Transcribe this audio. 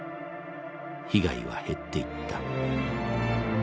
被害は減っていった。